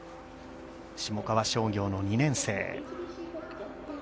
下川商業の２年生。